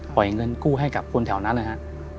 เงินกู้ให้กับคนแถวนั้นเลยฮะ